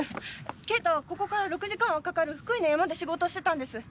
敬太はここから６時間はかかる福井の山で仕事をしてたんです。